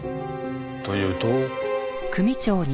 と言うと？